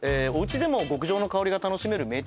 「おうちでも極上の香りが楽しめる」